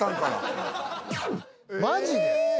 マジで？